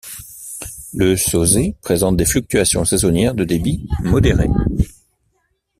Le Sauzay présente des fluctuations saisonnières de débit modérées.